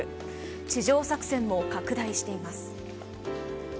地上作戦も拡大しています。